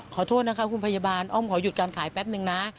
ขอโทษนะคะคุณพยาบาลอ้อมขอหยุดการขายแป๊บนึงนะ